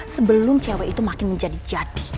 sebelum cewek itu makin menjadi jadi